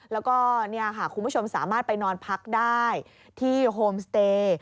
แล้วก็คุณผู้ชมสามารถไปนอนพักได้ที่โฮมสเตย์